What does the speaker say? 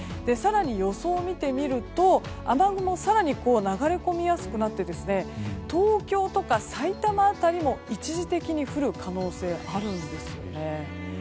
更に予想を見てみると雨雲更に流れ込みやすくなってですね東京とか埼玉辺りも一時的に降る可能性があるんです。